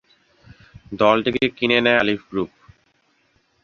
দলটিকে কিনে নেয় আলিফ গ্রুপ।